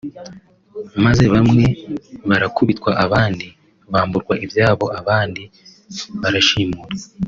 maze bamwe barakubitwa abandi bamburwa ibyabo abandi barashimutwa